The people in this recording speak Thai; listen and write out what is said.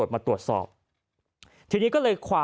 จนกระทั่งบ่าย๓โมงก็ไม่เห็นออกมา